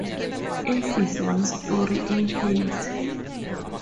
It is one story in height.